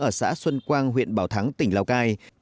ở xã xuân quang huyện bảo thắng tỉnh lào cai